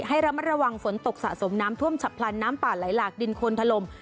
ให้ระมัดระวังฝนตกสะสมน้ำท่วมฉับพลันน้ำป่าไหลหลากดินโคนถล่ม